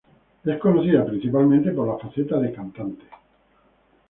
Es conocida principalmente por la faceta de cantante.